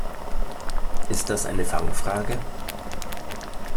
Ist das eine Fangfrage?